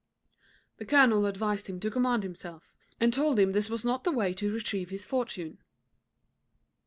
The colonel advised him to command himself, and told him this was not the way to retrieve his fortune.